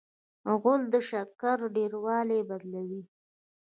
غول د شکر ډېروالی بدلوي.